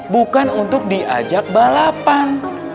bukan untuk diajak balapan